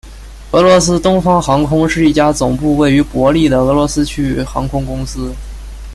俄罗斯东方航空是一家总部位于伯力的俄罗斯区域航空公司。